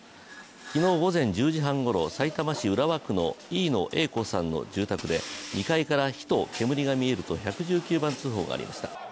昨日午前１０時半ごろ、さいたま市浦和区の飯野兌子さんの住宅で２階から火と煙が見えると１１９番通報がありました。